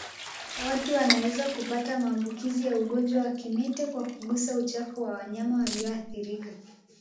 Watu wanaweza kupata maambukizi ya ugonjwa wa kimeta kwa kugusa uchafu wa wanyama walioathirika